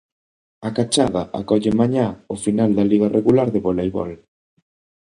A Cachada acolle mañá o final da Liga regular de voleibol.